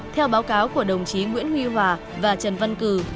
theo báo cáo của đồng chí nguyễn huy hòa và trần tử bình